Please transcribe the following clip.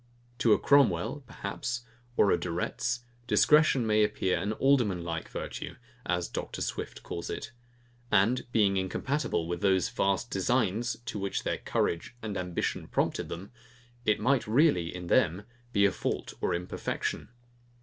To a Cromwell, perhaps, or a De Retz, discretion may appear an alderman like virtue, as Dr. Swift calls it; and being incompatible with those vast designs, to which their courage and ambition prompted them, it might really, in them, be a fault or imperfection.